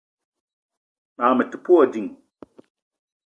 Mag me te pe wa ding.